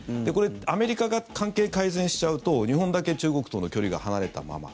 アメリカが関係改善しちゃうと日本だけ中国との距離が離れたまま。